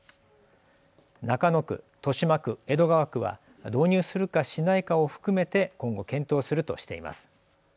中野区、豊島区、江戸川区は導入するかしないかを含めて今後検討するとしています。